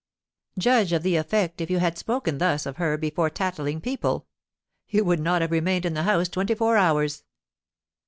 "Judge of the effect if you had spoken thus of her before tattling people! You would not have remained in the house twenty four hours."